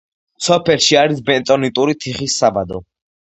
სოფელში არის ბენტონიტური თიხის საბადო.